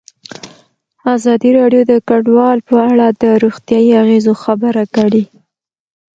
ازادي راډیو د کډوال په اړه د روغتیایي اغېزو خبره کړې.